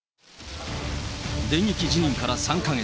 電撃辞任から３か月。